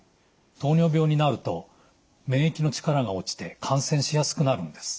糖尿病になると免疫の力が落ちて感染しやすくなるんです。